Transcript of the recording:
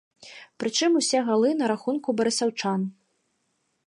Прычым усе галы на рахунку барысаўчан.